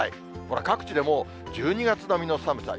これ、各地でもう１２月並みの寒さ。